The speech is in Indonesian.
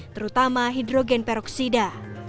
terutama hidrogen peroksida